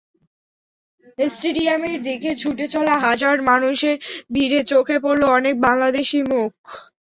স্টেডিয়ামের দিকে ছুটে চলা হাজার মানুষের ভিড়ে চোখে পড়ল অনেক বাংলাদেশি মুখ।